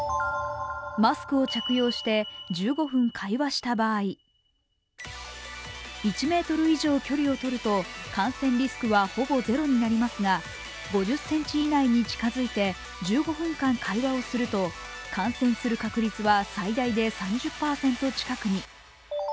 マスクを着用して１５分会話した場合１ｍ以上距離をとると感染リスクはほぼゼロになりますが５０ｃｍ以内に近づいて１５分間会話をすると、感染する確率は最大で３０％近くに。